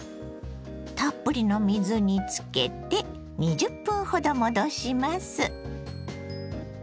たっぷりの水につけて２０分ほど戻します。